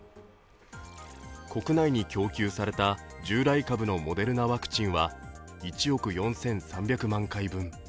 国内に供給された従来株のモデルナワクチンは１億４３００万回分。